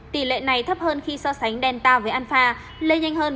tỷ lệ này thấp hơn khi so sánh delta với alpha lây nhanh hơn bốn mươi sáu mươi